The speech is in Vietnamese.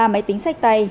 ba máy tính sách tay